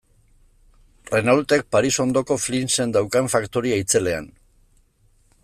Renaultek Paris ondoko Flinsen daukan faktoria itzelean.